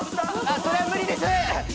それは無理です。